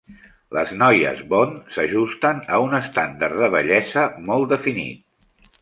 Les noies Bond s'ajusten a un estàndard de bellesa molt definit.